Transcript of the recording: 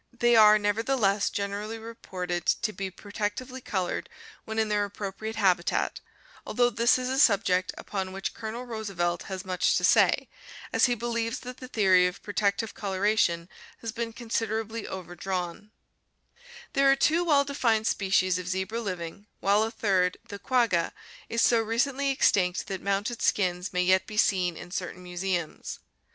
They are, nevertheless, generally reported to be pro tectively colored when in their appropriate habitat, although this is a subject upon which Colonel Roosevelt has much to say, as he believes that the theory of protective coloration has been consid erably overdrawn (African Game Trails, Appendix). There are two well defined species of zebra living, while a third, the quagga, is so recently extinct that mounted skins may yet be seen in certain museums.